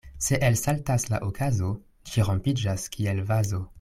Se elsaltas la okazo, ĝi rompiĝas kiel vazo.